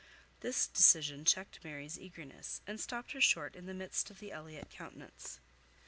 This decision checked Mary's eagerness, and stopped her short in the midst of the Elliot countenance.